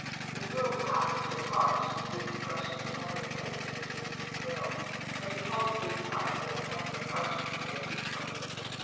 This will, perhaps, appear harsh, as the ex pression in every place is introduced in the middle, but in Paul's Greek style there is nothing of harshness in this con struction.